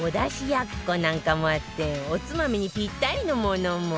やっこなんかもあっておつまみにぴったりのものも